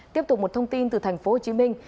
tiếp tục một thông tin từ thành phố hồ chí minh